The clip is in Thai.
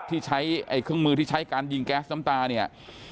ที่ใช้ไอ้เครื่องมือที่ใช้การยิงแก๊สน้ำตาเนี่ย